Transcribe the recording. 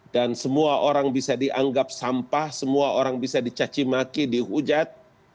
dan semua orang bisa dianggap sampah semua orang bisa dicacimaki dihujat